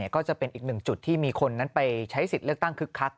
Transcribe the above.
ก็จะเป็นอีกหนึ่งจุดที่มีคนนั้นไปใช้สิทธิ์เลือกตั้งคึกคัก